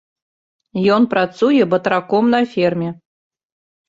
Ён працуе батраком на ферме.